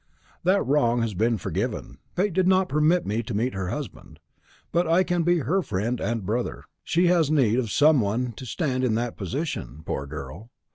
"That wrong has been forgiven. Fate did not permit me to be her husband, but I can be her friend and brother. She has need of some one to stand in that position, poor girl!